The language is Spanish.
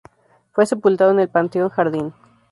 Fue sepultado en el Panteón Jardín.